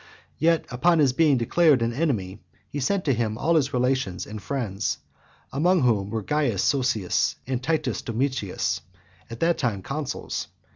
Yet upon his being declared an enemy, he sent to him all his relations and friends, among whom were Caius Sosius and Titus Domitius, at that time consuls.